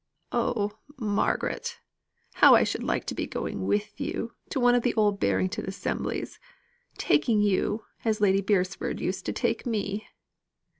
"Oh, Margaret! how I should like to be going with you to one of the old Barrington assemblies, taking you as Lady Beresford used to take me."